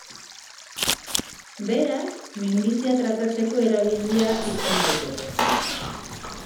Beraz, minbizia tratatzeko erabilia izan daiteke.